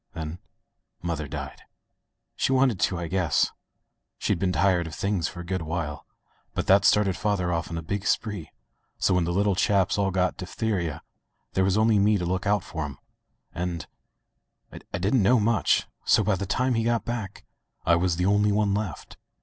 Then mother died. She wanted to, I guess. She'd been tired of things for a good while. But that started father off on a big spree, so when the little chaps all got diphtheria there was only me to look out for *em — ^and — I didn't know much — so by the time he got back I was the only one left.